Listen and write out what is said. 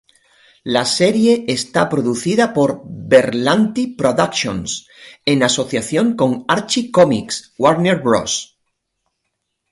La serie está producida por Berlanti Productions, en asociación con Archie Comics, Warner Bros.